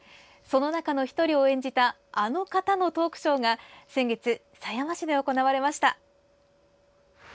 その中の１人を演じたあの方のトークショーが先月、狭山市で行われました。